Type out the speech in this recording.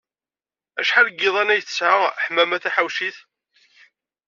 Acḥal n yiyḍan ay tesɛa Ḥemmama Taḥawcint?